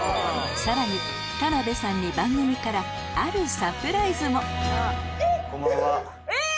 さらに田辺さんに番組からあるサプライズもえ！